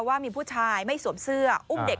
ว่ามีผู้ชายไม่สวมเสื้อ